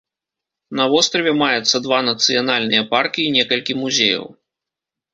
На востраве маецца два нацыянальныя паркі і некалькі музеяў.